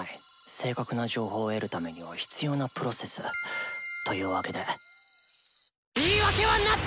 正確な情報を得るためには必要なプロセス！というわけで言い訳はなった！